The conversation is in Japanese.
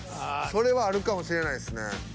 それはあるかもしれないですね。